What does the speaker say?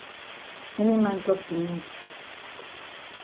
Any man tok e name.